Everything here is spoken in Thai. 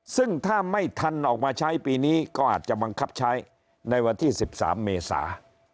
ซึ่งถ้าไม่ทันออกมาใช้ปีนี้ก็อาจจะบังคับใช้ในวันที่๑๓เมษา